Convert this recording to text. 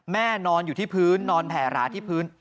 นอนอยู่ที่พื้นนอนแผ่หราที่พื้น